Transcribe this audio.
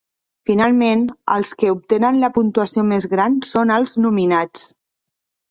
Finalment, els que obtenen la puntuació més gran són els nominats.